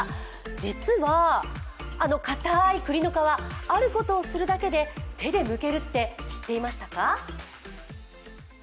実は、あの硬いくりの皮、あることをするだけで手でむけるって知ってましたか？